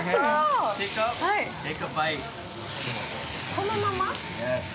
このまま！？